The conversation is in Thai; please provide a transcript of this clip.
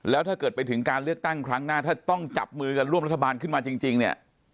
แล้วถ้าเกิดไปถึงการเลือกตั้งครั้งหน้าถ้าต้องจับมือกันร่วมรัฐบาลขึ้นมาจริงเนี่ย